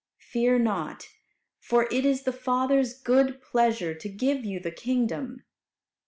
Fear not, for it is the Father's good pleasure to give you the kingdom.